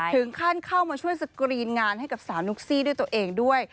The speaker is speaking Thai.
เข้ามาช่วยสกรีนงานให้กับสาวนุ๊กซี่ด้วยตัวเองด้วย